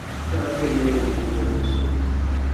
Toefield majored in general studies.